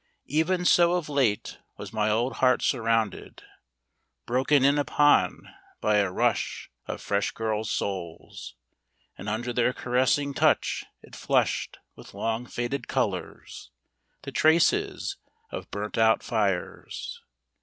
Even so of late was my old heart surrounded, broken in upon by a rush of fresh girls' souls ... and under their caressing touch it flushed with long faded colours, the traces of burnt out fires